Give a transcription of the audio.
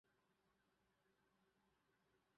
He encounters a giant terrorizing a knight and his lady.